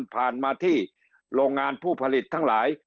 ผ่านมาที่โรงงานผู้ผลิตทั้งหลาย